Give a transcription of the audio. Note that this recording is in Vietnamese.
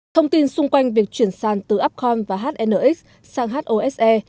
thông tin xung quanh việc chuyển sàn từ upcom và hnx sang hose